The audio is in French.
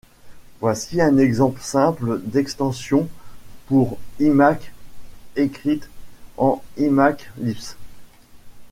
Voici un exemple simple d'extension pour Emacs écrite en Emacs Lisp.